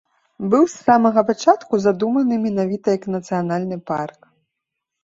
Быў з самага пачатку задуманы менавіта як нацыянальны парк.